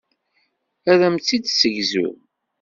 Ad am-tt-id-tessegzu.